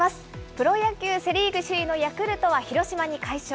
プロ野球セ・リーグ首位のヤクルトは広島に快勝。